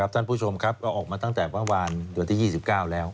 ท่านผู้ชมครับเราออกมาตั้งแต่เมื่อวานวันที่๒๙แล้ว